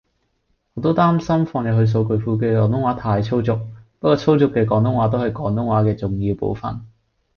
我都擔心放入去數據庫嘅廣東話太粗俗，不過粗俗嘅廣東話都係廣東話嘅重要部份